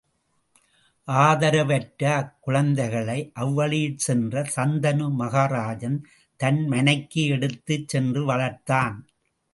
ஆதரவு அற்ற அக்குழந்தைகளை அவ்வழியிற் சென்ற சந்தனு மகாராசன் தன் மனைக்கு எடுத்துச் சென்று வளர்த்தான்.